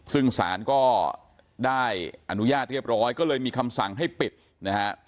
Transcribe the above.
ซึ่งศาลก็ได้อนุญาตเรียบร้อยก็เลยมีคำสั่งให้ปิดนะฮะ